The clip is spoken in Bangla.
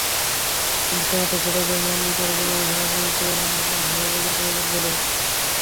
কিন্তু সমর্থক ভোটারদের মান বিচার করলে দেশের রাজনীতিতে ভাবাবেগের প্রয়োজন পড়ে।